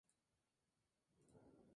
Literatura mexicana del siglo V".